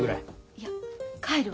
いや帰るわ。